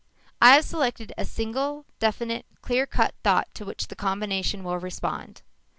I have selected a single, definite, clear cut thought to which the combination will respond.